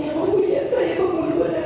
yang mempunyai saya keburu badan